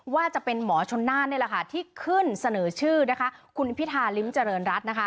ว่าจะเป็นหมอชนานที่ขึ้นเสนอชื่อคุณพิธาริมเจริญรัฐ